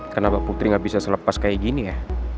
kenapa putri gak bisa selepas kayak gini ya